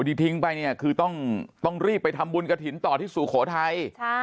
ที่ทิ้งไปเนี่ยคือต้องรีบไปทำบุญกระถิ่นต่อที่สุโขทัย